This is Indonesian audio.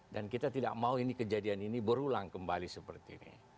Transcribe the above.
dan kita tidak mau ini kejadian ini berulang kembali seperti ini